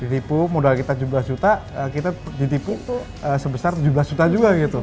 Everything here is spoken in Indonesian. ditipu modal kita tujuh belas juta kita ditipu itu sebesar tujuh belas juta juga gitu